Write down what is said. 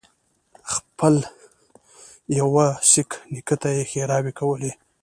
خپل يوه سېک نیکه ته یې ښېراوې کولې.